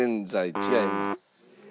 違います。